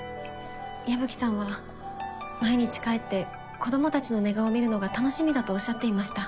矢吹さんは毎日帰って子供たちの寝顔を見るのが楽しみだとおっしゃっていました。